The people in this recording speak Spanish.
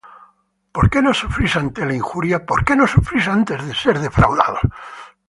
¿Por qué no sufrís antes la injuria? ¿por qué no sufrís antes ser defraudados?